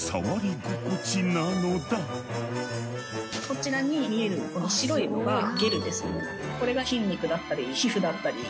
こちらに見えるこの白いのがゲルですね。